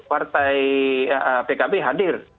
partai pkb hadir